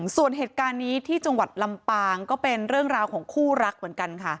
ส่วนเหตุการณ์นี้ที่จังหวัดลำปางก็เป็นเรื่องราวของคู่รักเหมือนกันค่ะ